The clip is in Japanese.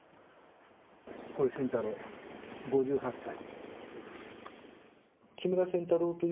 これ、仙太郎５８歳。